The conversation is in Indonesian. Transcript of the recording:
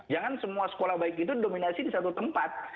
jangan semua sekolah baik itu dominasi di satu tempat